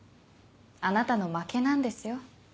あなたの負けなんですよ。